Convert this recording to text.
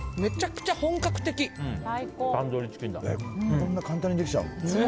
こんな簡単にできちゃうの？